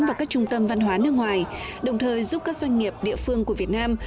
và các trung tâm văn hóa nước ngoài đồng thời giúp các doanh nghiệp địa phương của việt nam